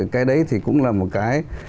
cái đấy thì cũng là một cái